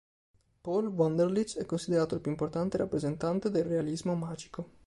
Paul Wunderlich è considerato il più importante rappresentante del Realismo magico.